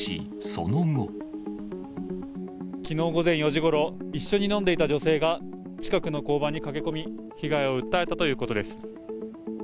きのう午前４時ごろ、一緒に飲んでいた女性が、近くの交番に駆け込み、被害を訴えたということです。